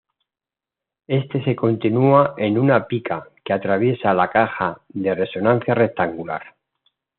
Este se continúa en una pica que atraviesa la caja de resonancia rectangular.